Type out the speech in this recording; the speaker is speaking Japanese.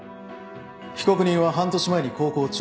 被告人は半年前に高校を中退。